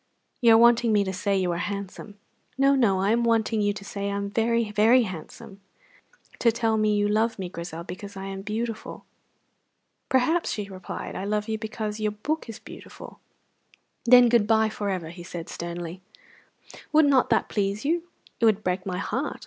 "You are wanting me to say you are handsome." "No, no; I am wanting you to say I am very, very handsome. Tell me you love me, Grizel, because I am beautiful." "Perhaps," she replied, "I love you because your book is beautiful." "Then good bye for ever," he said sternly. "Would not that please you?" "It would break my heart."